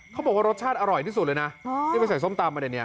เขาบอกว่ารสชาติอร่อยที่สุดเลยนะที่ไปใส่ส้มตำมาเนี่ย